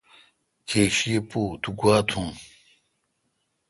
کھیش ی بو تو گوا توُن۔